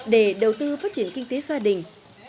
để đầu tư phát triển kinh tế gia đình